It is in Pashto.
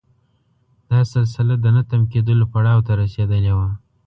دا سلسله د نه تم کېدلو پړاو ته رسېدلې وه.